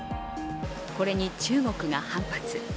これに中国が反発。